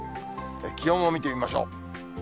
気温も見てみましょう。